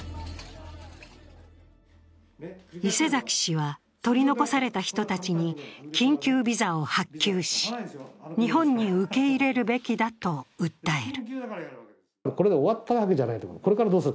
伊勢崎氏は取り残された人たちに緊急ビザを発給し日本に受け入れるべきだと訴える。